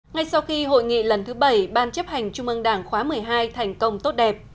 ngay sau khi hội nghị lần thứ bảy ban chấp hành trung ương đảng khóa một mươi hai thành công tốt đẹp